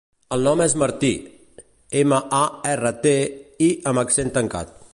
El nom és Martí: ema, a, erra, te, i amb accent tancat.